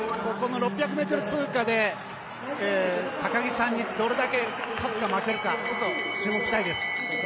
６００ｍ通過で高木さんにどれだけ勝つか負けるかちょっと注目したいです。